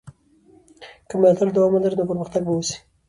که ملاتړ دوام ولري نو پرمختګ به وسي.